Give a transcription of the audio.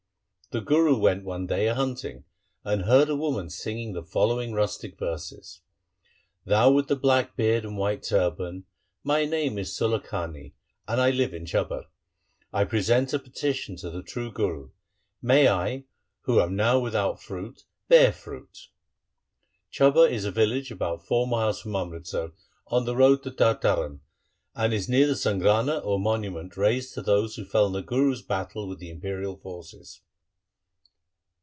The Guru went one day a hunting and heard a woman singing the following rustic verses :— Thou with the black beard and white turban, My name is Sulakhani, and I live in Chabba. I present a petition to the true Guru. May I, who am now without fruit, bear fruit ! Chabba is a village about four miles from Amritsar on the road to Tarn Taran and is near the Sangrana or monument raised to those who fell in the Guru's battle with the imperial forces.